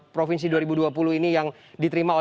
provinsi dua ribu dua puluh ini yang diterima